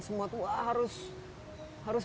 semua itu wah harus